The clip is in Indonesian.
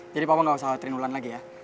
jadi papa gak usah anterin mulan lagi ya